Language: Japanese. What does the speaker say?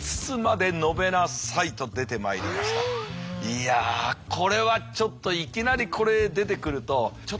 いやこれはちょっといきなりこれ出てくるとちょっと驚きますよね。